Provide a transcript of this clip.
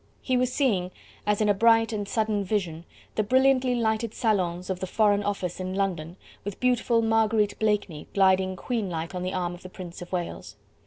He was seeing, as in a bright and sudden vision, the brilliantly lighted salons of the Foreign Office in London, with beautiful Marguerite Blakeney gliding queenlike on the arm of the Prince of Wales.